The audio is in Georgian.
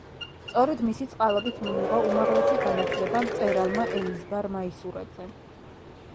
სწორედ მისი წყალობით მიიღო უმაღლესი განათლება მწერალმა ელიზბარ მაისურაძემ.